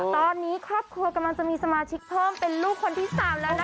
ตอนนี้ครอบครัวกำลังจะมีสมาชิกเพิ่มเป็นลูกคนที่๓แล้วนะคะ